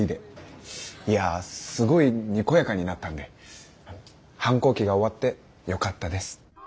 いやすごいにこやかになったんで反抗期が終わってよかったです。